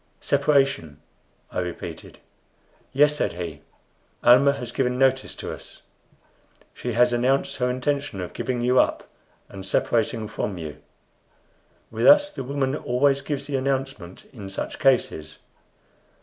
"Separation!" I repeated. "Yes," said he. "Almah has given notice to us. She has announced her intention of giving you up, and separating from you. With us the woman always gives the announcement in such cases.